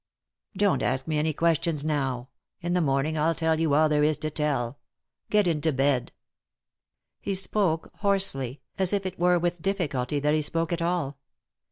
" Don't ask me any questions now. In the morning 111 tell you all there is to tell. Get into bed." He spoke hoarsely, as if it were with difficulty that be spoke at all.